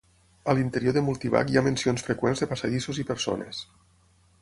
A l'interior de Multivac hi ha mencions freqüents de passadissos i persones.